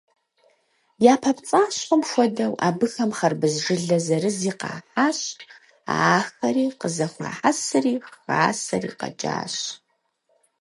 Япэ пцӀащхъуэм хуэдэу, абыхэм хьэрбыз жылэ зэрызи къахьащ, ахэри къызэхуахьэсри хасэри къэкӀащ.